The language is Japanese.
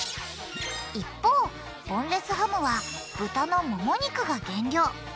一方ボンレスハムはブタのもも肉が原料。